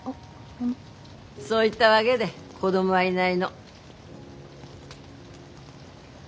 そういったわげで子供はいないの。